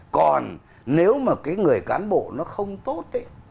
còn nếu mà cái người cán bộ nó không tốt